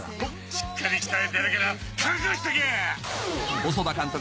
しっかり鍛えてやるから覚悟しとけ！